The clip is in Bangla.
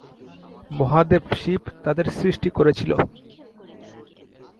মহাদেব শিব তাদের সৃষ্টি করেছিল।